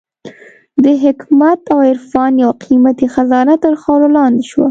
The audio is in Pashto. د حکمت او عرفان یوه قېمتي خزانه تر خاورو لاندې شوه.